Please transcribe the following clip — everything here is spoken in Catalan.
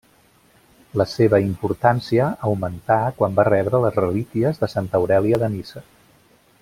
La seva importància augmentà quan va rebre les relíquies de Santa Aurèlia de Niça.